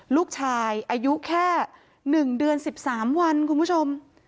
ลูกชายอายุแค่๑เดือน๑๓วันคุณผู้ชม